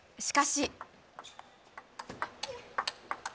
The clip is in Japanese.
しかし。